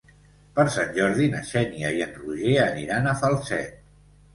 Per Sant Jordi na Xènia i en Roger aniran a Falset.